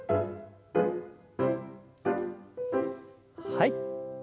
はい。